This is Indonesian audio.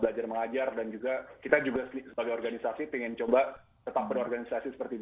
cuma kita harus mengambil alih alih kegiatan kegiatan kita dan juga kita juga sebagai organisasi ingin coba tetap berorganisasi seperti biasa